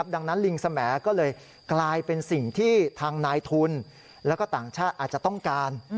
ดังนั้นลิงสมก็เลยกลายเป็นสิ่งที่ทางนายทุนแล้วก็ต่างชาติอาจจะต้องการ